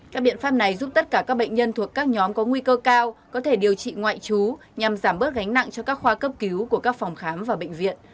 các biện pháp này giúp tất cả các bệnh nhân thuộc các nhóm có nguy cơ cao có thể điều trị ngoại trú nhằm giảm bớt gánh nặng cho các khoa cấp cứu của các phòng khám và bệnh viện